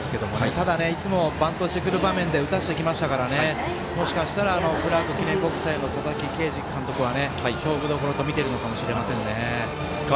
ただいつもバントする場面で打たせてきましたからもしかしたらクラーク記念国際の佐々木啓司監督は勝負どころとみているかもしれません。